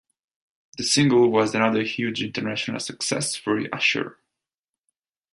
The single was another huge international success for Usher.